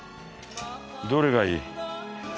どれがいい？